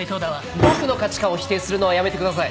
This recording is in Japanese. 僕の価値観を否定するのはやめてください。